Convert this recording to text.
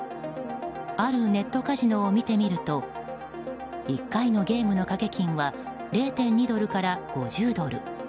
あるネットカジノを見てみると１回のゲームのかけ金は０．２ドルから５０ドル。